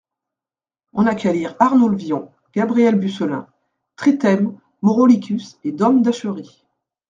On n'a qu'à lire Arnoul Wion, Gabriel Bucelin, Trithème, Maurolicus et dom Luc d'Achery.